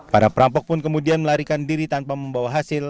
para perampok pun kemudian melarikan diri tanpa membawa hasil